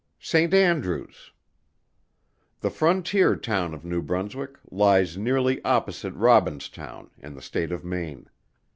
SAINT ANDREWS. The frontier town of New Brunswick, lies nearly opposite Robinstown, in the State of Maine.